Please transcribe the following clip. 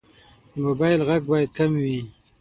د موبایل غږ باید کم وي.